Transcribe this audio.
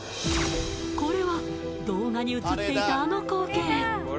これは動画に映っていたあの光景